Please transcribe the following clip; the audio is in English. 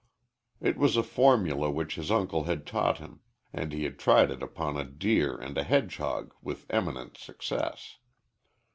It was a formula which his uncle had taught him, and he had tried it upon a deer and a hedgehog with eminent success.